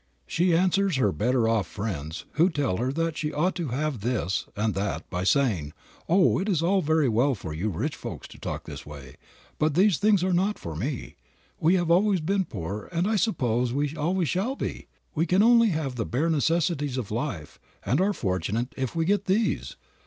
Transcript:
She answers her better off friends who tell her that she ought to have this and that by saying, "Oh, it is all very well for you rich folks to talk this way, but these things are not for me. We have always been poor and I suppose we always shall be; we can only have the bare necessities of life, and are fortunate if we get these.